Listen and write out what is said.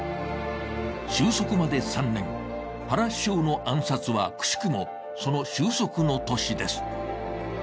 収束まで３年、原首相の暗殺はくしくもその収束の年です。